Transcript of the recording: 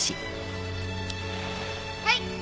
はい！